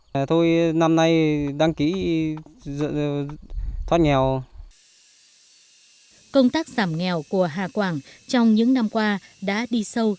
công tác giảm nghèo của hà quảng trong những năm qua đã đi sâu